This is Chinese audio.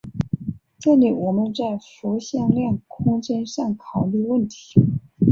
这里我们在复向量空间上考虑问题。